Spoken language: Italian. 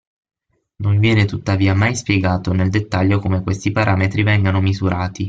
Non viene tuttavia mai spiegato nel dettaglio come questi parametri vengano misurati.